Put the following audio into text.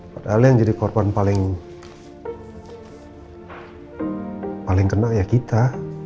padahal yang jadi korban paling kena ya kita